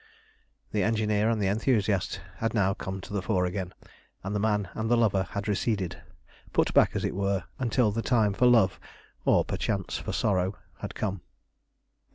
The engineer and the enthusiast had now come to the fore again, and the man and the lover had receded, put back, as it were, until the time for love, or perchance for sorrow, had come.